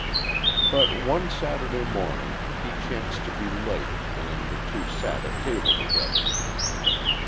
But one Saturday morning, he chanced to be late, and the two sat at table together.